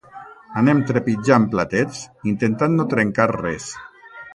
Anem trepitjant platets intentant no trencar res.